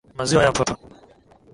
Maziwa ya mtoto.